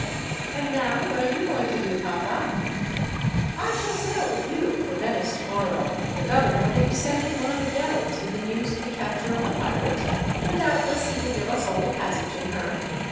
"And now, what are you going to do, papa?" "I shall sail with you for Venice tomorrow. The governor will be sending one of the galleys with the news of the capture of the pirate, and doubtless he will give us all a passage in her.